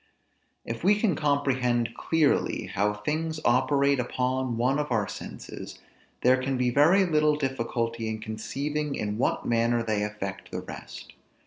If we can comprehend clearly how things operate upon one of our senses, there can be very little difficulty in conceiving in what manner they affect the rest.